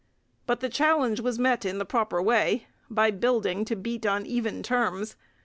But the challenge was met in the proper way, by building to beat on even terms.